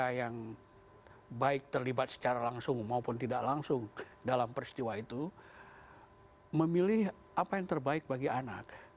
mereka yang baik terlibat secara langsung maupun tidak langsung dalam peristiwa itu memilih apa yang terbaik bagi anak